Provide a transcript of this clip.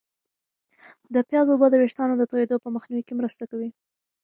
د پیازو اوبه د ویښتانو د توییدو په مخنیوي کې مرسته کوي.